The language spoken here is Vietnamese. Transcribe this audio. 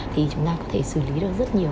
thì chúng ta có thể xử lý được rất nhiều